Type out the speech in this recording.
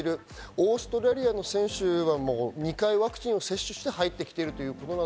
オーストラリアの選手は２回ワクチンを接種して入ってきている。